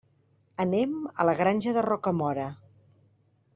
Anem a la Granja de Rocamora.